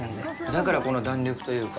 だからこの弾力というか。